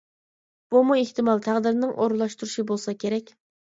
بۇمۇ ئېھتىمال تەقدىرنىڭ ئورۇنلاشتۇرۇشى بولسا كېرەك.